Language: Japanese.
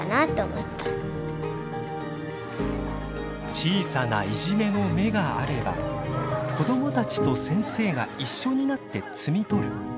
小さな「いじめの芽」があれば子どもたちと先生が一緒になって摘み取る。